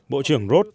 bộ trưởng roth